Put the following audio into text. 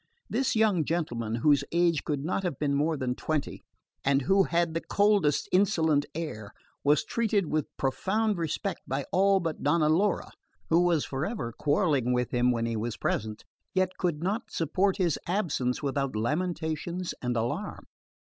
This young gentleman, whose age could not have been more than twenty, and who had the coldest insolent air, was treated with profound respect by all but Donna Laura, who was for ever quarrelling with him when he was present, yet could not support his absence without lamentations and alarm.